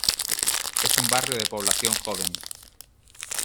Es un barrio de población joven.